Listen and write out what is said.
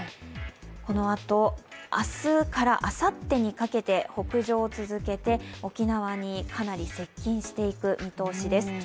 このあと、明日からあさってにかけて北上を続けて沖縄にかなり接近していく見通しです。